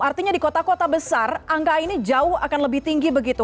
artinya di kota kota besar angka ini jauh akan lebih tinggi begitu